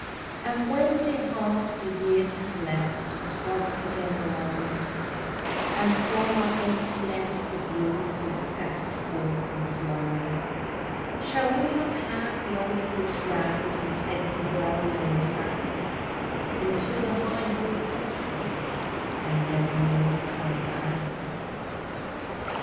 And when, dear heart, the years have left us once again alone, And from our empty nest the broods have scattered forth and flown, Shall we not have the old horse round and take the well known track Into the high hill country, and never more come back?